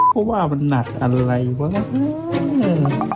เพราะว่ามันหนักอะไรวะอือ